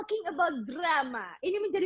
talking about drama ini menjadi